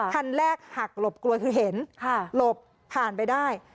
คันแรกหักหลบกลัวคือเห็นหลบผ่านไปได้